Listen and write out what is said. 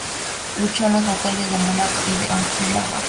Luchó en las batallas de Mulato y de Ojinaga.